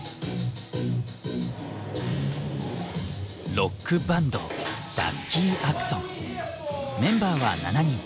ロックバンドメンバーは７人。